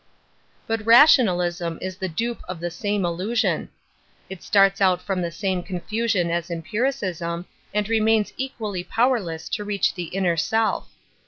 But rationalism is the dupe of the same illusion. It starts out from the same con fusion as empiricism, and remains equally powerless to reach the inner self.